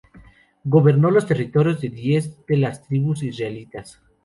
Gobernó los territorios de diez de las tribus israelitas.